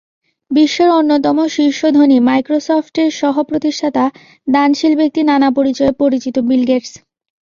বিশ্বের অন্যতম শীর্ষ ধনী, মাইক্রোসফটের সহ-প্রতিষ্ঠাতা, দানশীল ব্যক্তি নানা পরিচয়ে পরিচিত বিল গেটস।